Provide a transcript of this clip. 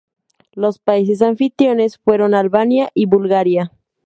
Los países anfitriones fueron Albania y Bulgaria.